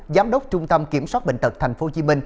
giám đốc trung tâm kiểm soát bệnh tật tp hcm